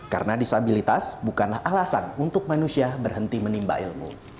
karena disabilitas bukanlah alasan untuk manusia berhenti menimba ilmu